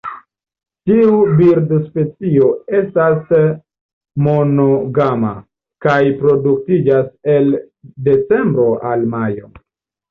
Tiu birdospecio estas monogama, kaj reproduktiĝas el decembro al majo.